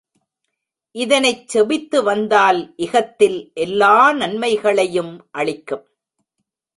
இதனைச் செபித்துவந்தால் இகத்தில் எல்லா நம்மைகளையும் அளிக்கும்.